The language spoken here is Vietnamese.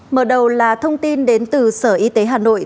mở đầu là thông tin đến từ sở y tế hà nội